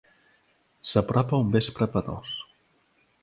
S'apropa un vespre penós.